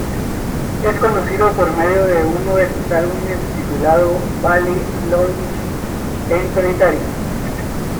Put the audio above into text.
Es conocido por medio de uno de sus álbumes titulado "Bali Lounge" en solitario.